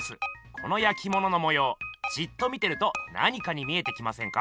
このやきもののもようじっと見てると何かに見えてきませんか？